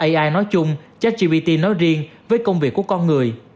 chatbot ai nói chung chatgbt nói riêng với công việc của con người